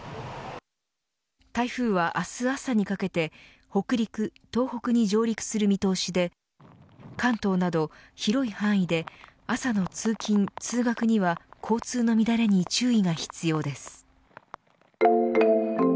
台風は明日朝にかけて北陸、東北に上陸する見通しで関東など広い範囲で朝の通勤、通学には交通の乱れに注意が必要です。